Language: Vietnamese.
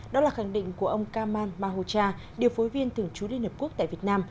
đó là khẳng định của ông kamal mahocha điều phối viên thường trú liên hợp quốc tại việt nam